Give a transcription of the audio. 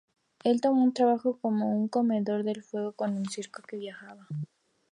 Él tomó un trabajo como un comedor del fuego con un circo que viajaba.